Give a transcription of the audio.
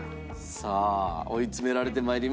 さあ追い詰められて参りました。